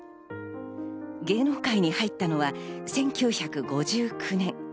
芸能界に入ったのは１９５９年。